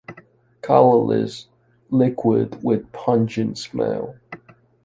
Colorless liquid with pungent smell.